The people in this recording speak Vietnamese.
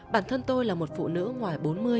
bản thân tôi là một phụ nữ ngoài bốn mươi